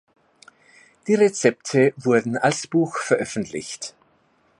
Die Rezepte wurden als Buch veröffentlicht.